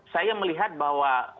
saya melihat bahwa